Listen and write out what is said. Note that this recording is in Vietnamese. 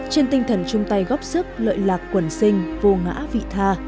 trên tinh thần chung tay góp sức lợi lạc quần sinh vô ngã vị tha